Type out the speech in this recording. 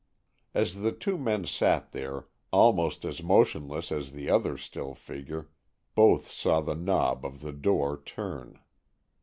As the two men sat there, almost as motionless as the other still figure, both saw the knob of the door turn.